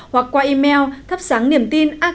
hoặc qua email thapsangniemtina org vn